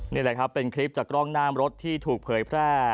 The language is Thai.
นี่แหละครับเป็นคลิปจากกล้องหน้ามรถที่ถูกเผยแพร่